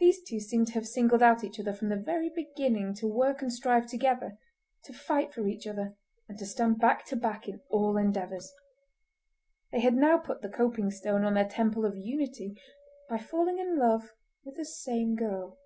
These two seemed to have singled out each other from the very beginning to work and strive together, to fight for each other and to stand back to back in all endeavours. They had now put the coping stone on their Temple of Unity by falling in love with the same girl.